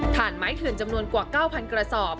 ฐานไม้เถื่อนจำนวนกว่า๙๐๐กระสอบ